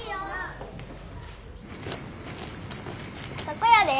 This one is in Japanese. そこやで。